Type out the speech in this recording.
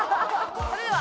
それでは。